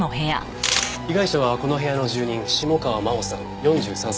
被害者はこの部屋の住人下川真帆さん４３歳。